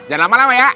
jangan lama lama ya